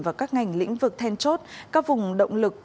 và các ngành lĩnh vực then chốt các vùng động lực